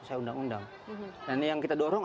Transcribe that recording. sesuai undang undang dan yang kita dorong